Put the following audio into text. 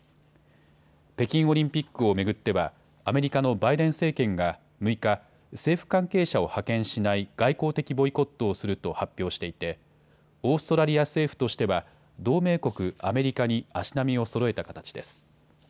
北京オリンピックを巡ってはアメリカのバイデン政権が６日、政府関係者を派遣しない外交的ボイコットをすると発表していてオーストラリア政府としては同盟国アメリカに足並みをそろえた形です。